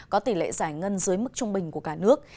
có tỷ lệ giải ngân dưới mức trung bình của cả nước